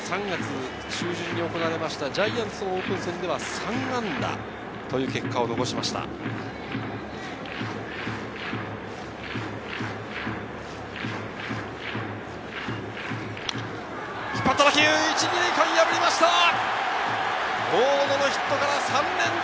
３月中旬に行われましたジャイアンツとのオープン戦では３安打という結果を残しました。